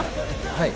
はい。